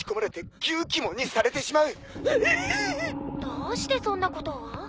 どうしてそんなことを？